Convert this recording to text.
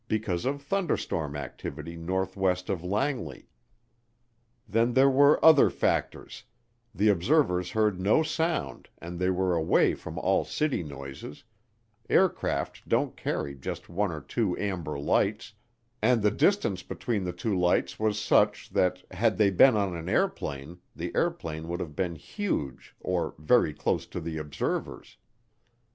because of thunderstorm activity northwest of Langley. Then there were other factors the observers heard no sound and they were away from all city noises, aircraft don't carry just one or two amber lights, and the distance between the two lights was such that had they been on an airplane the airplane would have been huge or very close to the observers.